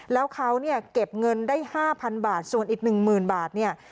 แล้วเขาเนี่ยเก็บเงินได้ห้าพันบาทส่วนอีกหนึ่งหมื่นบาทเนี่ย